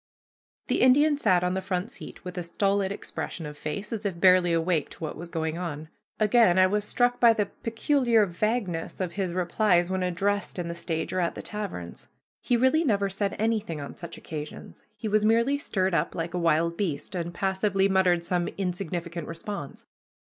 The Indian sat on the front seat with a stolid expression of face as if barely awake to what was going on. Again I was struck by the peculiar vagueness of his replies when addressed in the stage or at the taverns. He really never said anything on such occasions. He was merely stirred up like a wild beast, and passively muttered some insignificant response.